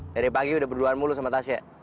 dari pagi udah berduaan mulu sama tasya